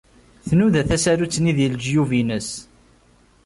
Tnuda tasarut-nni deg lejyub-nnes.